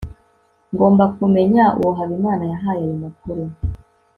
ngomba kumenya uwo habimana yahaye ayo makuru